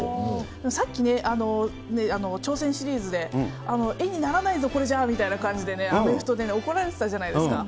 さっきね、挑戦シリーズで絵にならないぞ、これじゃみたいな感じでね、アメフトで怒られてたじゃないですか。